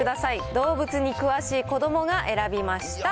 動物に詳しい子どもが選びました。